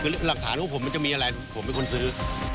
คือหลักฐานของผมมันจะมีอะไรผมเป็นคนซื้อ